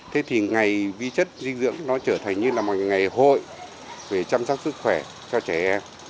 thế thì ngày vi chất dinh dưỡng nó trở thành như là một ngày hội về chăm sóc sức khỏe cho trẻ em